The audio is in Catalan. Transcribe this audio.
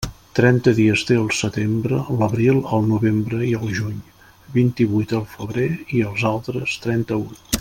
Trenta dies té el setembre, l'abril, el novembre i el juny, vint-i-vuit el febrer, i els altres, trenta-un.